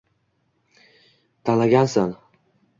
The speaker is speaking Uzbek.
Танлагансан